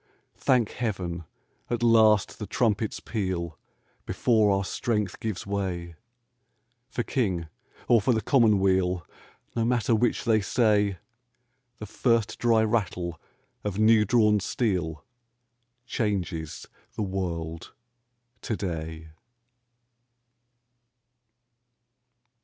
Thank Heaven ! At last the trumpets peal Before our strength gives way. For King or for the Commonweal No matter which they say, The first dry rattle of new drawn steel Changes the world to day